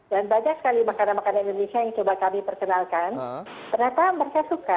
dan banyak sekali makanan makanan indonesia yang coba kami perkenalkan